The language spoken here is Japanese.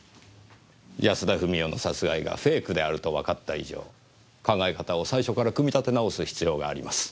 安田富美代の殺害がフェイクであるとわかった以上考え方を最初から組み立て直す必要があります。